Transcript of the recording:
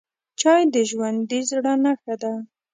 چای د ژوندي زړه نښه ده